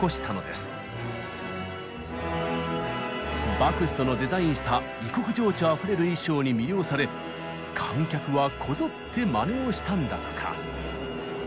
バクストのデザインした異国情緒あふれる衣装に魅了され観客はこぞって真似をしたんだとか。